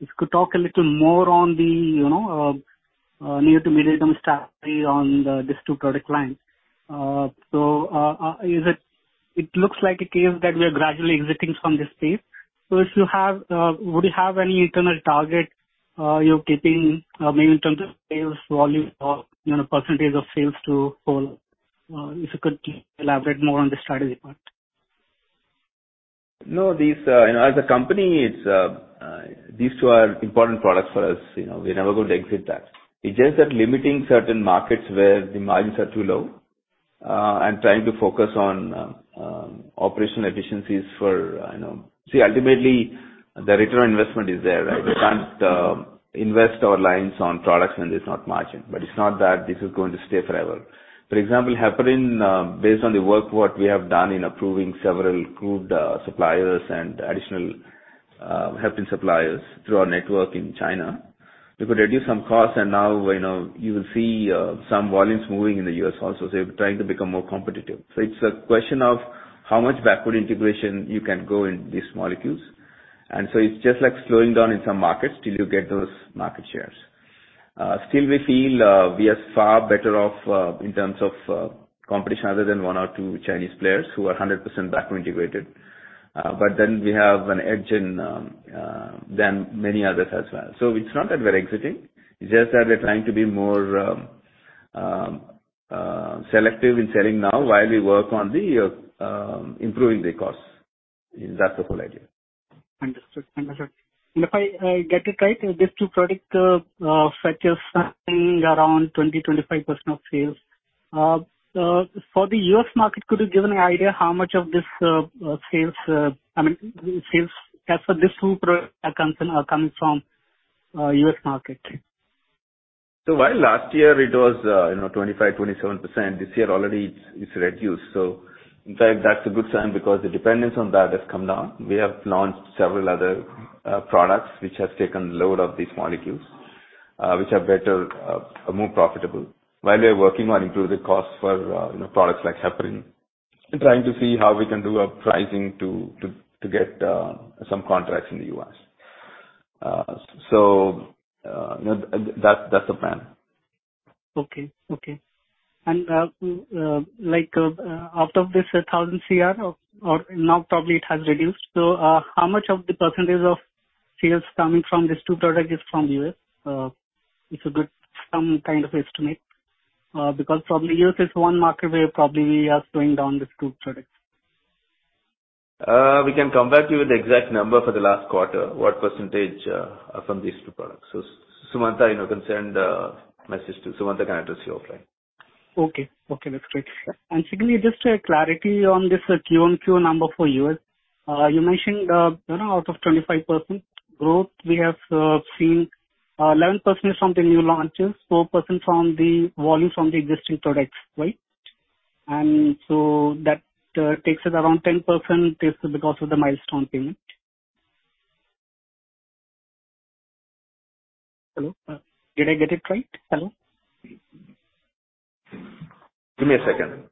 If you could talk a little more on the, you know, near to medium term strategy on these two product lines. It looks like a case that we are gradually exiting from this space. If you have, would you have any internal target, you're keeping, maybe in terms of sales volume or, you know, percentage of sales to whole? If you could elaborate more on the strategy part. No, these, you know, as a company, it's, these two are important products for us, you know, we're never going to exit that. It's just that limiting certain markets where the margins are too low, and trying to focus on operational efficiencies for, you know... See, ultimately, the ROI is there, right? We can't invest our lines on products when there's not margin. It's not that this is going to stay forever. For example, heparin, based on the work what we have done in approving several approved suppliers and additional heparin suppliers through our network in China, we could reduce some costs, and now, you know, you will see some volumes moving in the U.S. also. We're trying to become more competitive. It's a question of how much backward integration you can go in these molecules. It's just like slowing down in some markets till you get those market shares. Still we feel we are far better off in terms of competition, other than one or two Chinese players who are 100% backward integrated. We have an edge in than many others as well. It's not that we're exiting, it's just that we're trying to be more selective in selling now while we work on the improving the costs. That's the whole idea. Understood. Understood. If I get it right, these two product factors something around 20%-25% of sales for the U.S. market, could you give an idea how much of this sales, I mean, sales as for these two products are coming, are coming from U.S. market? While last year it was, you know, 25%-27%, this year already it's, it's reduced. In fact, that's a good sign because the dependence on that has come down. We have launched several other products which have taken load of these molecules, which are better, more profitable. While we are working on improving costs for, you know, products like heparin and trying to see how we can do a pricing to, to, to get some contracts in the U.S. That, that's the plan. Okay. Okay. Like, out of this 1,000 crore or, or now probably it has reduced, how much of the percent of sales coming from these two products is from U.S.? It's a good, some kind of estimate, because probably U.S. is one market where probably we are slowing down these two products. We can come back to you with the exact number for the last quarter, what percentage are from these two products. Sumanta, you know, can send a message to Sumanta, can address your query. Okay. Okay, that's great. Secondly, just a clarity on this Q-on-Q number for U.S. You mentioned, you know, out of 25% growth, we have seen, 11% is from the new launches, 4% from the volumes from the existing products, right? So that, takes it around 10%, takes it because of the milestone payment. Hello, did I get it right? Hello? Give me a second.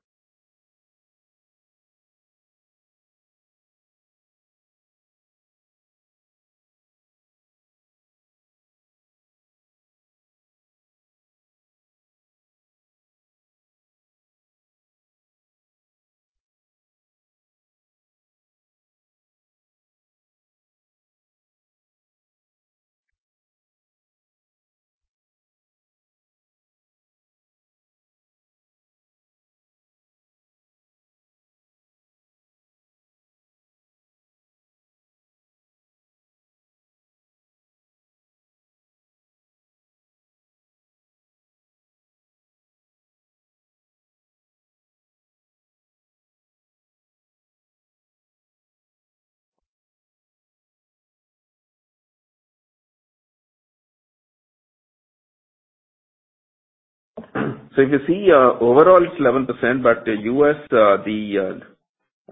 If you see, overall, it's 11%, but the U.S., the,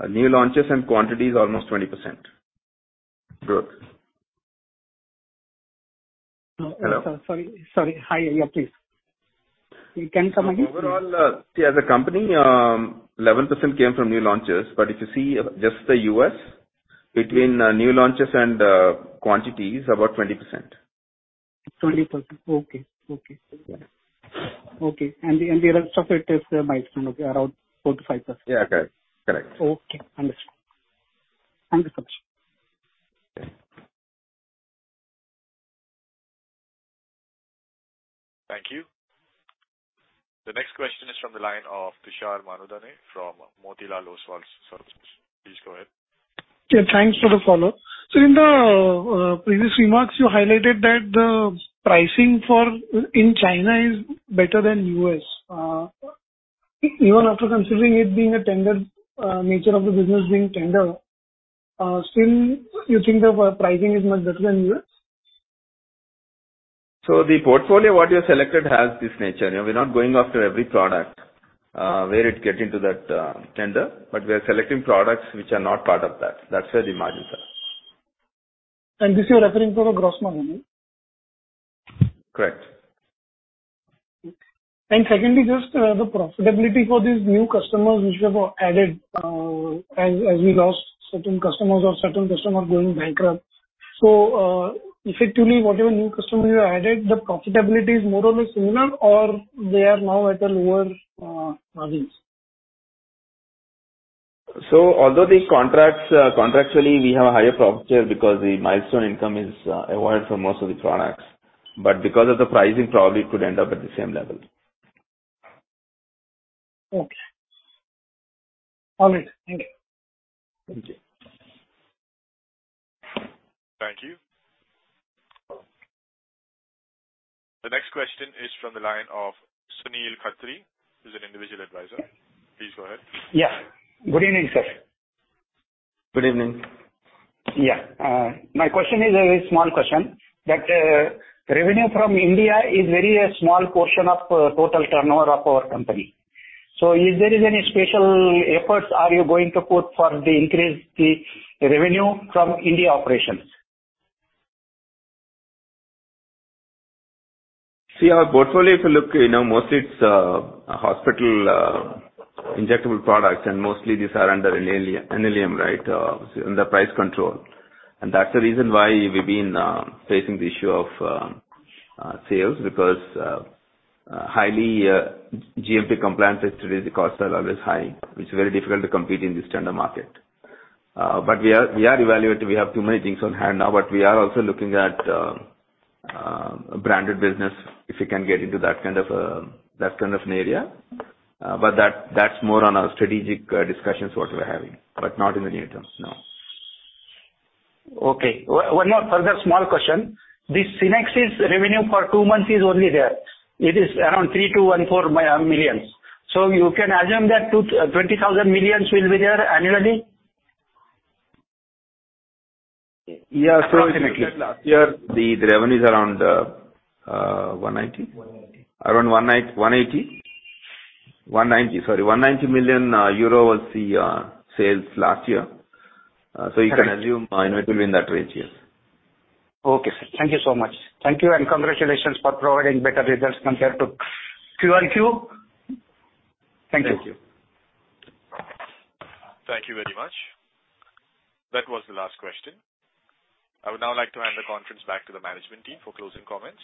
new launches and quantity is almost 20% growth. Oh, sorry, sorry. Hi, yeah, please. You can come again? Overall, as a company, 11% came from new launches, but if you see just the U.S., between new launches and quantities, about 20%. 20%. Okay. Okay. Okay, the rest of it is the milestone, around 4%-5%? Yeah, correct. Correct. Okay, understood. Thank you so much. Okay. Thank you. The next question is from the line of Tushar Manudhane from Motilal Oswal Services. Please go ahead. Yeah, thanks for the follow. In the previous remarks, you highlighted that the pricing for, in China is better than U.S. Even after considering it being a tender, nature of the business being tender, still you think the pricing is much better than U.S.? The portfolio, what you have selected, has this nature. You know, we're not going after every product, where it get into that, tender, but we are selecting products which are not part of that. That's where the margins are. This you're referring to the gross margin? Correct. secondly, just the profitability for these new customers which you have added, as, as we lost certain customers or certain customers going bankrupt. So, effectively, whatever new customers you added, the profitability is more or less similar or they are now at a lower margins? although the contracts, contractually, we have a higher profit share because the milestone income is avoided for most of the products, but because of the pricing, probably it could end up at the same level. Okay. All right. Thank you. Thank you. Thank you. The next question is from the line of Sunil Khatri, who's an individual advisor. Please go ahead. Yeah. Good evening, sir. Good evening. Yeah, my question is a very small question, that revenue from India is very a small portion of total turnover of our company. Is there any special efforts are you going to put for the increase the revenue from India operations? See, our portfolio, if you look, you know, mostly it's hospital injectable products, mostly these are under NLEM, right, so under price control. That's the reason why we've been facing the issue of sales, because highly GMP compliant is today, the costs are always high. It's very difficult to compete in this tender market. We are, we are evaluating. We have too many things on hand now, but we are also looking at branded business, if we can get into that kind of a, that kind of an area. That, that's more on our strategic discussions, what we're having, but not in the near term, no. Okay. One more further small question. The Cenexi revenue for 2 months is only there. It is around $3 million-$14 million. You can assume that $20,000 million will be there annually? Yeah, last year, the revenue is around 190? 190. Around one nine- one eighty. One ninety, sorry, 190 million euro was the sales last year. You can assume, you know, it will be in that range. Yes. Okay, sir. Thank you so much. Thank you and congratulations for providing better results compared to QoQ. Thank you. Thank you. Thank you very much. That was the last question. I would now like to hand the conference back to the management team for closing comments.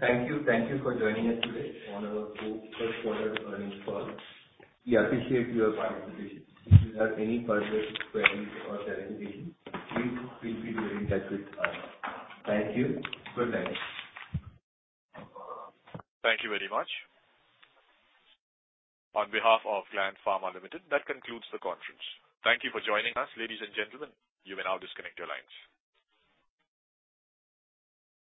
Thank you. Thank you for joining us today on our first quarter earnings call. We appreciate your participation. If you have any further queries or clarifications, please feel free to get in touch with us. Thank you. Good night. Thank you very much. On behalf of Gland Pharma Limited, that concludes the conference. Thank you for joining us, ladies and gentlemen. You may now disconnect your lines.